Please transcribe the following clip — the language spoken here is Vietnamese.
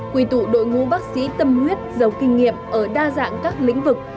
quy tụ đội ngũ bác sĩ tâm huyết giàu kinh nghiệm ở đa dạng các lĩnh vực